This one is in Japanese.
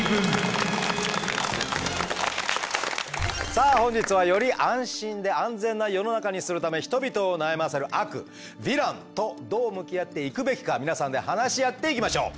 さあ本日はより安心で安全な世の中にするため人々を悩ませる悪ヴィランとどう向き合っていくべきか皆さんで話し合っていきましょう。